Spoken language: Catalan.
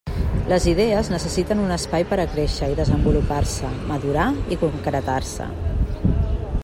Les idees necessiten un espai per a créixer i desenvolupar-se, madurar i concretar-se.